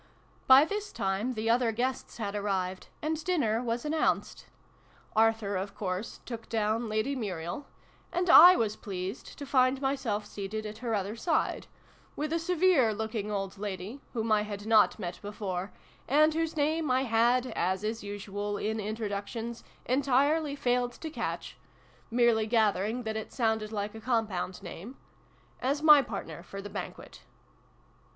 By this time the other guests had arrived ; and dinner was announced. Arthur of course took down Lady Muriel : and / was pleased to find myself seated at her other side, with a severe looking old lady (whom I had not met before, and whose name I had, as is usual in introductions, entirely failed to catch, merely gathering that it sounded like a compound name) as my partner for the banquet.